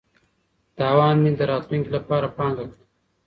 تاوان مې د راتلونکي لپاره پانګه کړه.